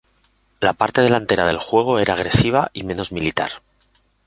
La parte delantera del juego era agresiva y menos militar.